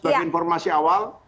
ini konfirmasi awal